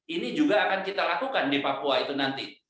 ini juga akan kita lakukan di papua itu nanti